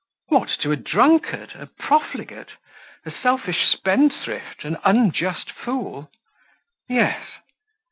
"What, to a drunkard, a profligate, a selfish spendthrift, an unjust fool?" "Yes."